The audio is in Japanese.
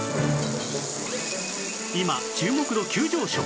今注目度急上昇！